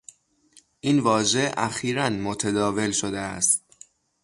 این واژه اخیرا متداول شده است.